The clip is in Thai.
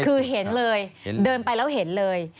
คือเห็นเลยเดินไปแล้วเห็นเลย